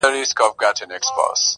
زما اشنا خبري پټي ساتي,